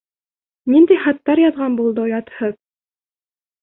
Ниндәй хаттар яҙған булды, оятһыҙ!..